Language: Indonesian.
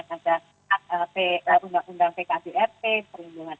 undang undang pkjrp perlindungan